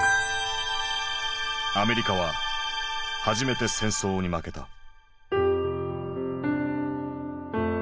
アメリカは初めて戦争に負けた。